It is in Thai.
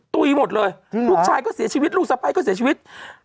ตุ๋ยหมดเลยลูกชายก็เสียชีวิตลูกสะพ้ายก็เสียชีวิต